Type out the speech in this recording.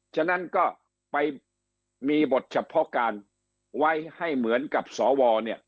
ฉะนั้นก็ไปมีบทเฉพาะการไว้ให้เหมือนกับสวเนี่ย